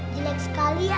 jelek sekali ya